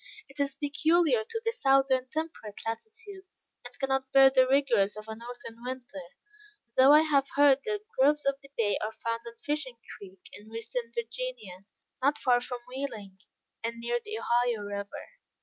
It is peculiar to the southern temperate latitudes, and cannot bear the rigors of a northern winter; though I have heard that groves of the Bay are found on Fishing Creek, in Western Virginia, not far from Wheeling, and near the Ohio river.